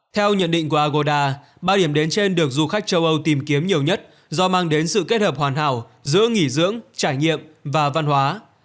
theo nhận định của agoda ba điểm đến trên được du khách châu âu tìm kiếm nhiều nhất do mang đến sự kết hợp hoàn hảo giữa nghỉ dưỡng trải nghiệm và văn hóa